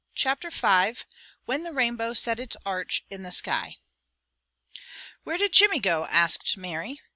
Chapter V WHEN THE RAINBOW SET ITS ARCH IN THE SKY "Where did Jimmy go?" asked Mary.